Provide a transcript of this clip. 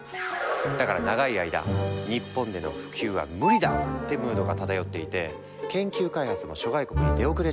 だから長い間日本での普及は無理だわってムードが漂っていて研究開発も諸外国に出遅れちゃってたんだ。